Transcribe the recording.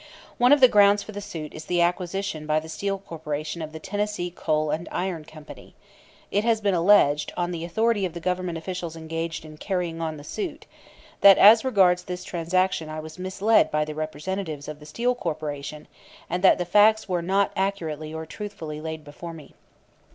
One of the grounds for the suit is the acquisition by the Steel Corporation of the Tennessee Coal and Iron Company; and it has been alleged, on the authority of the Government officials engaged in carrying on the suit, that as regards this transaction I was misled by the representatives of the Steel Corporation, and that the facts were not accurately or truthfully laid before me.